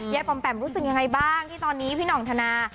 ปอมแปมรู้สึกยังไงบ้างที่ตอนนี้พี่หน่องธนา